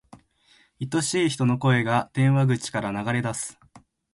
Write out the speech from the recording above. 愛しい人の声が、電話口から流れ出す。